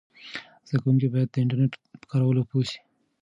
زده کوونکي باید د انټرنیټ په کارولو پوه سي.